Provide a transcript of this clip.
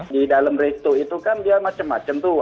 di dalam resto itu kan dia macam macam tuh